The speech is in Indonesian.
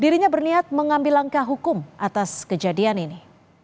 dirinya berniat mengambil langkah hukum atas kejadian ini